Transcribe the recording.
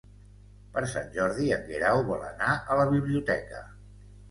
Per Sant Jordi en Guerau vol anar a la biblioteca.